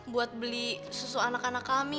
buat beli susu anak anak kami